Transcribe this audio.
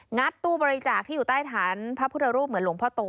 ัดตู้บริจาคที่อยู่ใต้ฐานพระพุทธรูปเหมือนหลวงพ่อโต